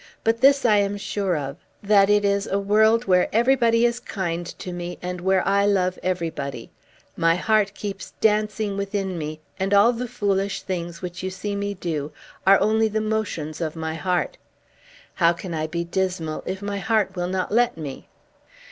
"But this I am sure of, that it is a world where everybody is kind to me, and where I love everybody. My heart keeps dancing within me, and all the foolish things which you see me do are only the motions of my heart. How can I be dismal, if my heart will not let me?"